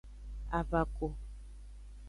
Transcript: Avako.